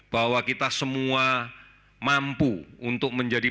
bekale untuk lelaki